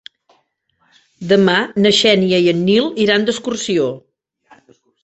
Demà na Xènia i en Nil iran d'excursió.